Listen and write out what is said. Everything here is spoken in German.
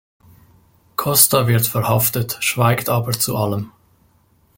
Costa wird verhaftet, schweigt aber zu allem.